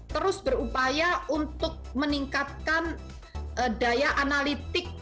terus berupaya untuk meningkatkan daya analitik